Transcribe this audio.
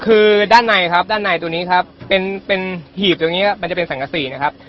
คือด้านในครับด้านในตัวนี้ครับเป็นเป็นหีบตรงนี้มันจะเป็นสังกษีนะครับ